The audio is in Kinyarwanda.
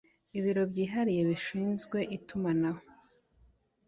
ibiro byihariye bishinzwe itumanaho.